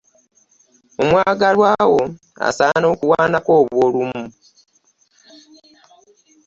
Omwagalwa wo asaana okuwaanako obw'olumu.